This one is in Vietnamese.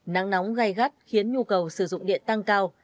nắng nóng gai gắt khiến nhu cầu sử dụng điện tăng cao